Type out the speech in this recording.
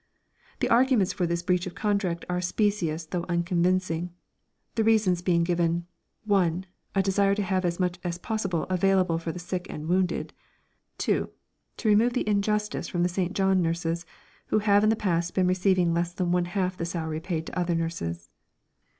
The arguments for this breach of contract are specious though unconvincing, the reasons given being: 1. "A desire to have as much as possible available for the sick and wounded." 2. "To remove the 'injustice' from the St. John nurses, who have in the past been receiving less than one half the salary paid to other nurses."